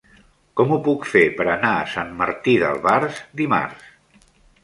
Com ho puc fer per anar a Sant Martí d'Albars dimarts?